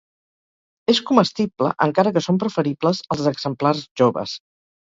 És comestible encara que són preferibles els exemplars joves.